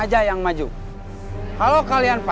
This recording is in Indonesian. saya push up